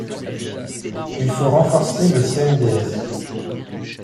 Il faut renforcer le CNDS.